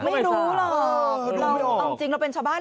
ไม่รู้หรอกเอาจริงเราเป็นชาวบ้าน